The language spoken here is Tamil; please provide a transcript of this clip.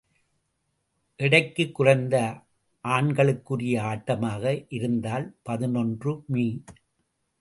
எடைக்குக்குறைந்த ஆண்களுக்குரிய ஆட்டமாக இருந்தால் பதினொன்று மீ.